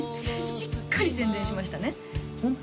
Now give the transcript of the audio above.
しっかり宣伝しましたねホント？